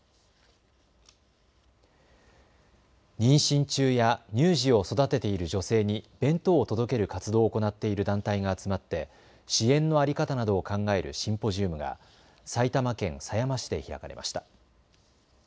妊娠中や乳児を育てている女性に弁当を届ける活動を行っている団体が集まって支援の在り方などを考えるシンポジウムが埼玉県狭山市で開かれました。